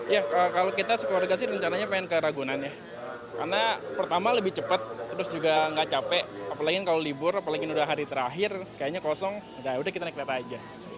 ya kalau kita sekeluarga sih rencananya pengen ke ragunan ya karena pertama lebih cepat terus juga nggak capek apalagi kalau libur apalagi ini udah hari terakhir kayaknya kosong udah kita naik lihat aja